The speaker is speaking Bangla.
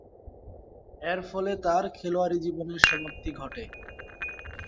এরফলে তার খেলোয়াড়ী জীবনের সমাপ্তি ঘটে।